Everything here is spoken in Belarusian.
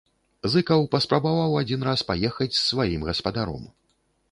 Зыкаў паспрабаваў адзін раз паехаць з сваім гаспадаром.